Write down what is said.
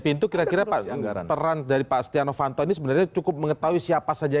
pintu kira kira pak yang terang dari pak stiano fanto ini sebenarnya cukup mengetahui siapa saja